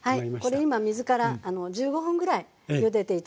これ今水から１５分ぐらいゆでて頂く。